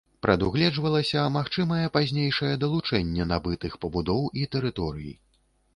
Прадугледжвалася магчымае пазнейшае далучэнне набытых пабудоў і тэрыторый.